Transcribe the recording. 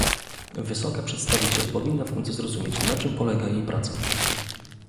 Wysoka przedstawiciel powinna w końcu zrozumieć, na czym polega jej praca